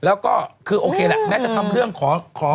แล้วก็คือโอเคแหละแม้จะทำเรื่องขอ